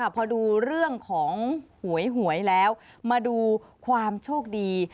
พอดูเรื่องของหวยหวยแล้วมาดูความโชคดี